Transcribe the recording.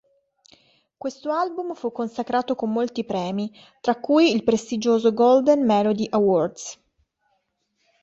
Questo album fu consacrato con molti premi, tra cui il prestigioso Golden Melody Awards.